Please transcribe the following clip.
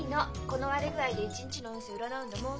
この割れ具合で一日の運勢を占うんだもん。